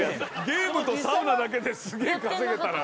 ゲームとサウナだけですげえ稼げたら。